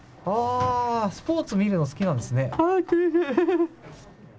スポーツ見るの好きなんですね。